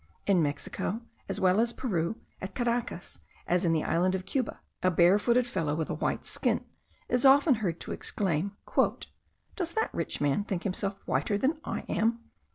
In Mexico, as well as Peru, at Caracas as in the island of Cuba, a bare footed fellow with a white skin, is often heard to exclaim: "Does that rich man think himself whiter than I am?"